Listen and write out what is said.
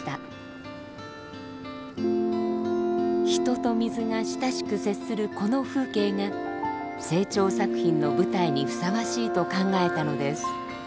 人と水が親しく接するこの風景が清張作品の舞台にふさわしいと考えたのです。